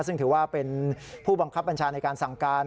ซึ่งถือว่าเป็นผู้บังคับบัญชาในการสั่งการ